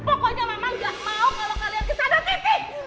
pokoknya mama gak mau kalau kalian kesana